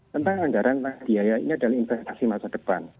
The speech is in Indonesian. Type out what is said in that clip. tentang anggaran biaya ini adalah investasi masa depan